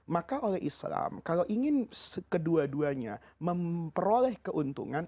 maka oleh islam kalau ingin kedua duanya memperoleh keuntungan